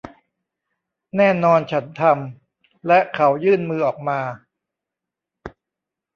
แน่นอนฉันทำ และเขายื่นมือออกมา